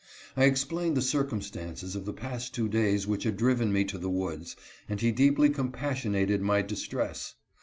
I explained the circumstances of the past two days which had driven me to the woods, and he deeply compassion ated my distress.